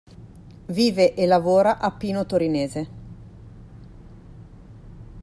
Vive e lavora a Pino Torinese.